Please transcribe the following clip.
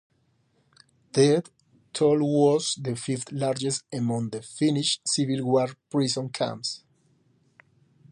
Death toll was the fifth largest among the Finnish Civil War prison camps.